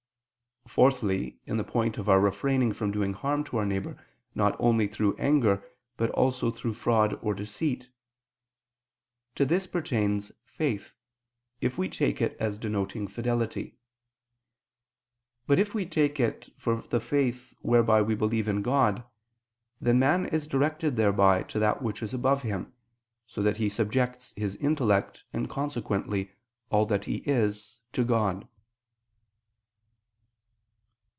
Fourthly, in the point of our refraining from doing harm to our neighbor not only through anger, but also through fraud or deceit. To this pertains faith, if we take it as denoting fidelity. But if we take it for the faith whereby we believe in God, then man is directed thereby to that which is above him, so that he subject his intellect and, consequently, all that is his, to God.